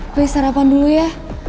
riz sarapan dulu ya